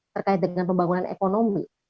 terkait dengan pembangunan ekonomi